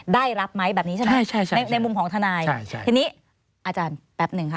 ได้รับไหมแบบนี้ใช่ไหมในมุมของทนายทีนี้อาจารย์แป๊บหนึ่งค่ะ